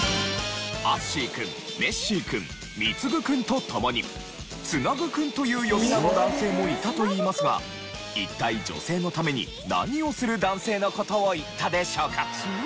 アッシー君メッシー君ミツグ君とともにツナグ君という呼び名の男性もいたといいますが一体女性のために何をする男性の事を言ったでしょうか？